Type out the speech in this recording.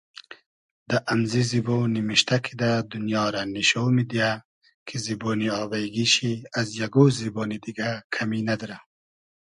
دۂ امزی زیبۉ نیمیشتۂ کیدۂ دونیا رۂ نیشۉ میدیۂ کی زیبۉنی آبݷ گی شی از یئگۉ زیبۉنی دیگۂ کئمی نئدرۂ